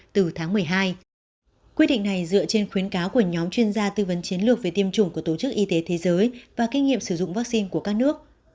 từ tháng một mươi hai quy định này dựa trên khuyến cáo của nhóm chuyên gia tư vấn chiến lược về tiêm chủng của tổ chức y tế thế giới và kinh nghiệm sử dụng vaccine của các nước